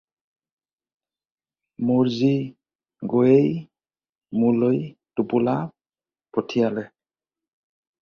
মোৰ জী গৈয়েই মোলৈ টোপোলা পঠিয়ালে।